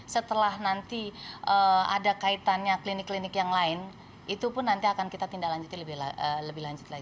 setelah nanti ada kaitannya klinik klinik yang lain itu pun nanti akan kita tindak lanjuti lebih lanjut lagi